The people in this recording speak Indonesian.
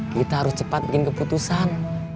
kita harus cepat bikin keputusan